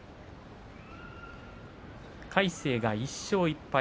魁聖が１勝１敗。